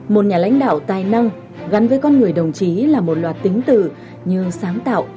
một nhà lãnh đạo tài năng gắn với con người đồng chí là một loạt tính từ như sáng tạo